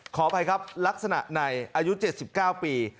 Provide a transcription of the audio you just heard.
ขออภัยครับลักษณะในอายุ๗๙ปี